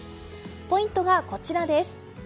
ポイントがこちらです。